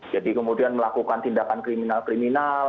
jadi kemudian melakukan tindakan kriminal kriminal